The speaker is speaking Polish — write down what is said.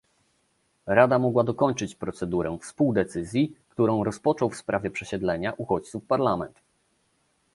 Rada mogła dokończyć procedurę współdecyzji, którą rozpoczął w sprawie przesiedlenia uchodźców Parlament